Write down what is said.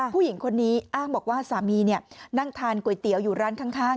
ผู้หญิงคนนี้อ้างบอกว่าสามีนั่งทานก๋วยเตี๋ยวอยู่ร้านข้าง